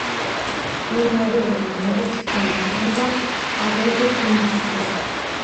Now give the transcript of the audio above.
კულინარიული მიზნებისთვის გამოიყენება აგრეთვე ქინძის ფესვები.